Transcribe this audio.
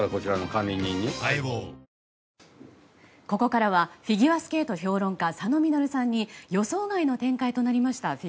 ここからはフィギュアスケート評論家佐野稔さんに予想外の展開となりました